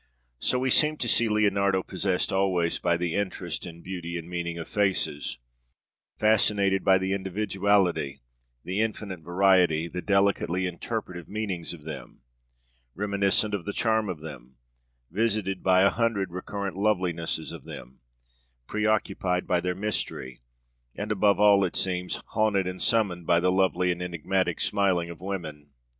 So we seem to see Leonardo possessed always by the interest and beauty and meaning of faces, fascinated by the individuality, the infinite variety, the delicately interpretative meanings of them; reminiscent of the charm of them; visited by a hundred recurrent lovelinesses of them; preoccupied by their mystery; and above all, it seems, haunted and summoned by the lovely and enigmatic smiling of women.